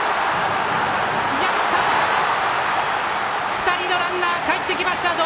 ２人のランナーかえってきました！